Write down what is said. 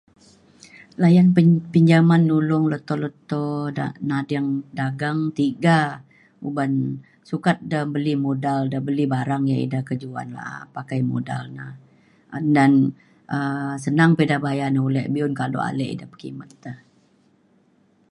layan pin- pinjaman nulong leto leto dak nading dagang tiga uban sukat da beli modal da beli barang yak ida kejuan la’a pakai modal na. dan um senang pa ida bayan ulek be’un kado ale ida pekimet te.